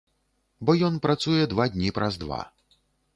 Бо ён працуе два дні праз два.